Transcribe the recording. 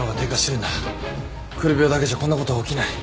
くる病だけじゃこんなことは起きない。